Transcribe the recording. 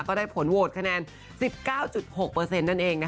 ก็ได้ผลโหวตคะแนน๑๙๖นั่นเอง